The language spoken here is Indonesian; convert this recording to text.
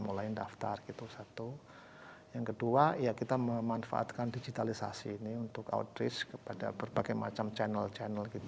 mulai daftar itu satu yang kedua ya kita memanfaatkan digitalisasi ni untuk outreach